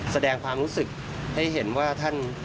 แสดงความรู้สึกให้เห็นว่าท่าน